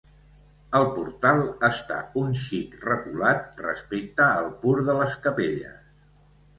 El portal està un xic reculat respecte al pur de les capelles.